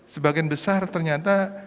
sebagian besar ternyata